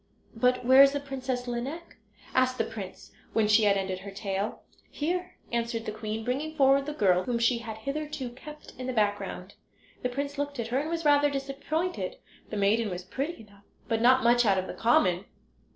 "But where is the Princess Lineik?" asked the prince when she had ended her tale. "Here," answered the queen, bringing forward the girl, whom she had hitherto kept in the background. The prince looked at her and was rather disappointed. The maiden was pretty enough, but not much out of the common.